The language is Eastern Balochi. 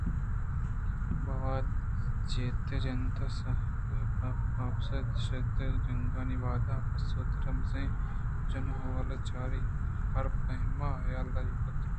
پہ وت چاتے جنت سپاہیگ ءِ اپس سپاہیگے ءَ جنگانی وہداں اپس ءَ را مزنیں جئو ءُ غلّہ ئے چارینت ءُ ہر پیما حیالداری کُت